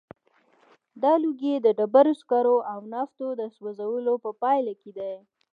دا لوګی د ډبرو سکرو او نفتو د سوځولو په پایله کې دی.